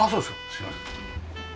すいません。